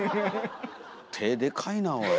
手でかいなおい。